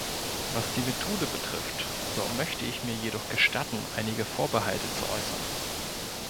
Was die Methode betrifft, so möchte ich mir jedoch gestatten, einige Vorbehalte zu äußern.